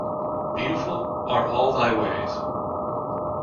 Beautiful are all thy ways.